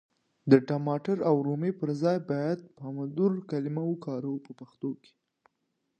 د ټماټر او رومي پر ځای بايد پامدور کلمه وکاروو په پښتو کي.